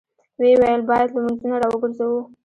ويې ويل: بايد لمونځونه راوګرځوو!